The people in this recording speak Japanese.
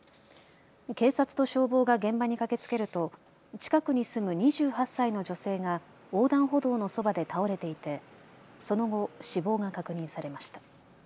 警察と消防が現場に駆けつけると近くに住む２８歳の女性が横断歩道のそばで倒れていてその後、死亡が確認されました。